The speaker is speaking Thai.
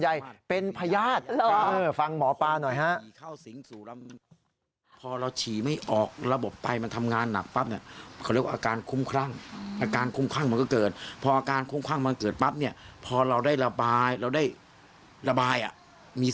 แชร์พื้นที่กับพยาศิเพราะหมอปลาแบบนี้